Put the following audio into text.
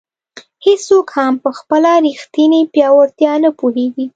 هیڅوک هم په خپله ریښتیني پیاوړتیا نه پوهېږي.